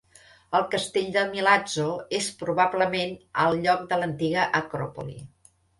El castell de Milazzo és probablement al lloc de l'antiga acròpoli.